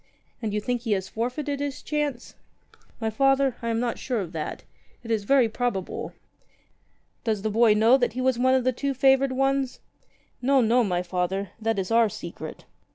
"And you think he has forfeited his chance?" "My Father, I am not sure of that. It is very probable." "Does the boy know that he was one of the two favoured ones ?" "No, no, my Father. That is our secret.